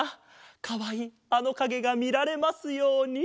「かわいいあのかげがみられますように」ってね。